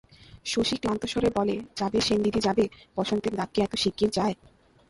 শশী ক্লান্তস্বরে বলে, যাবে সেনদিদি যাবে, বসন্তের দাগ কি এত শিগগির যায়?